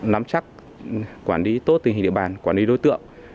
nắm chắc quản lý tốt tình hình địa bàn quản lý đối tượng